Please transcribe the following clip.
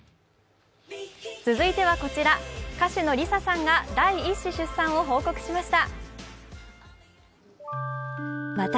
続いてはこちら、歌手のＬｉＳＡさんが第１子出産を報告しました。